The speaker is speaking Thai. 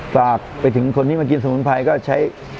ฝากไปถึงคนที่มากินสมุนไพรก็ใช้